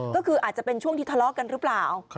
ก็คืออาจจะเป็นช่วงที่ทะเลาะกันหรือเปล่า